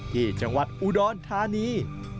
ที่จังหวัดอุดรธานี